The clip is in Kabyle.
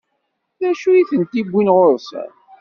D acu i tent-iwwin ɣur-sen?